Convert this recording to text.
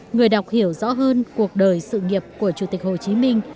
người đọc hiểu rõ hơn cuộc đời sự nghiệp của chủ tịch hồ chí minh